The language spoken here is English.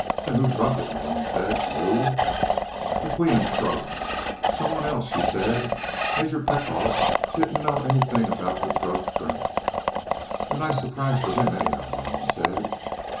"Then who drugged it?" Malone said. "Lou?" The Queen shrugged. "Someone else," she said. "Major Petkoff didn't know anything about the drugged drink." "A nice surprise for him, anyhow," Malone said.